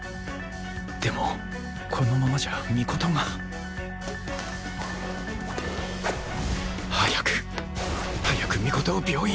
でもこのままじゃ尊が早く早く尊を病院へ！